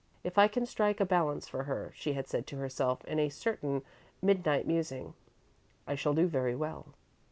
"If I can strike a balance for her," she had said to herself in a certain midnight musing, "I shall do very well."